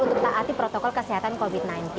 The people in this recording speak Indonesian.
untuk taati protokol kesehatan covid sembilan belas